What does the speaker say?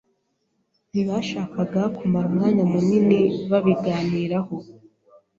Ntibashakaga kumara umwanya munini babiganiraho.